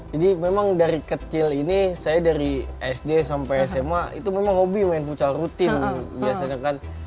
jadi memang dari kecil ini saya dari sd sampai sma itu memang hobi main futsal rutin biasanya kan